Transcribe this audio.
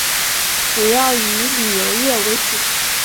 主要以旅游业为主。